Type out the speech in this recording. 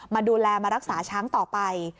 มาดูแลมารักษาช้างต่อไป